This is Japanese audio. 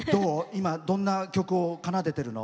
今、どんな曲を奏でてるの？